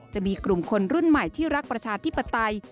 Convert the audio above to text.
จะมีกลุ่มคนรุ่นใหม่ที่รักประชาธิปไตย